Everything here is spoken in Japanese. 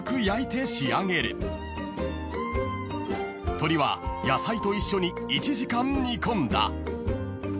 ［鶏は野菜と一緒に１時間煮込んだ］